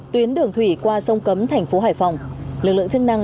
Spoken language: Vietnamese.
tuyến đường thủy qua sông cấm thành phố hải phòng lực lượng chức năng